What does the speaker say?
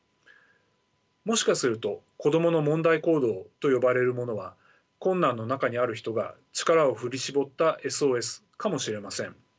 もしかすると子どもの問題行動と呼ばれるものは困難の中にある人が力を振り絞ったＳＯＳかもしれません。